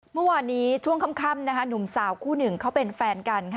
เมื่อวานนี้ช่วงค่ำหนุ่มสาวคู่หนึ่งเขาเป็นแฟนกันค่ะ